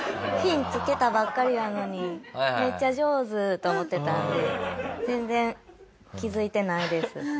フィン着けたばっかりやのにめっちゃ上手と思ってたので全然気づいてないです。